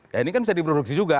ya ini kan bisa diproduksi juga